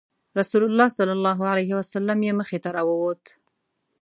رسول الله صلی الله علیه وسلم یې مخې ته راووت.